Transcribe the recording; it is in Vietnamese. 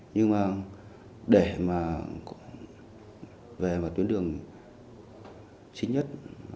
nhưng mà để mà về một tuyến đường chính nhất